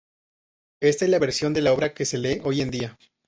Esta es la versión de la obra que se lee hoy en día.